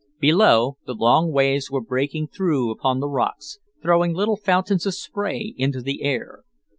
Below, the long waves were breaking through upon the rocks, throwing little fountains of spray into the air.